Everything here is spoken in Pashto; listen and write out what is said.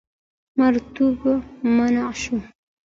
مریتوب منع شو.